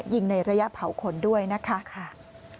ยิงในระยะเผาขนด้วยนะคะค่ะ